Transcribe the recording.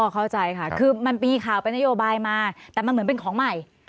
เข้าใจค่ะคือมันมีข่าวเป็นนโยบายมาแต่มันเหมือนเป็นของใหม่